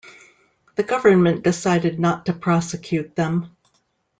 The government decided not to prosecute them.